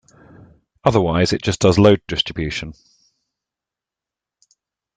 Otherwise it just does load distribution.